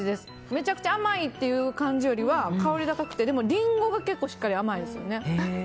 めちゃくちゃ甘いっていう感じよりは香り高くて、でもリンゴがしっかり甘いですね。